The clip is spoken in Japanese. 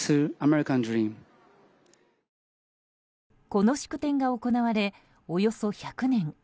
この祝典が行われおよそ１００年。